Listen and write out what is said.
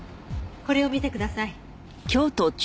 これを見てください。